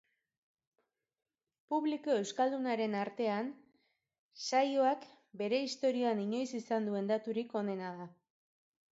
Publiko euskaldunaren artean saioak bere historian inoiz izan duen daturik onena da.